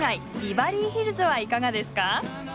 ビバリーヒルズはいかがですか？